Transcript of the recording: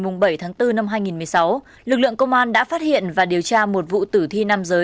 ngày bảy tháng bốn năm hai nghìn một mươi sáu lực lượng công an đã phát hiện và điều tra một vụ tử thi nam giới